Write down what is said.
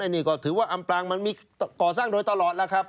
นี่ก็ถือว่าอำพรางมันมีก่อสร้างโดยตลอดแล้วครับ